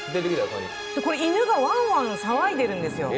犬がワンワン騒いでるんですよ。